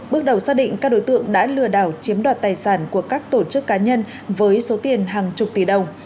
bước đầu xác định các đối tượng đã lừa đảo chiếm đoạt tài sản của các tổ chức cá nhân với số tiền hàng chục tỷ đồng